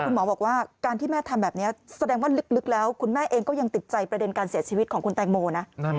หมอบอกว่าการที่แม่ทำแบบนี้แสดงว่าลึกแล้วคุณแม่เองก็ยังติดใจประเด็นการเสียชีวิตของคุณแตงโมนะ